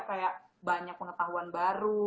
kayak banyak pengetahuan baru